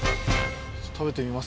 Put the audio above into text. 食べてみます？